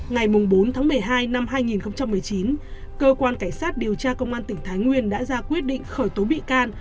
ngày bốn tháng một mươi hai năm hai nghìn một mươi chín cơ quan cảnh sát điều tra công an tỉnh thái nguyên đã ra quyết định khởi tố bị can